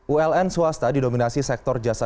uln swasta didominasi sektor jasa